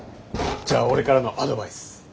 じゃあ俺からのアドバイス。